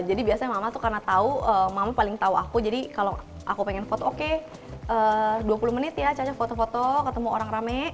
jadi biasanya mama tuh karena tau mama paling tau aku jadi kalau aku pengen foto oke dua puluh menit ya caca foto foto ketemu orang rame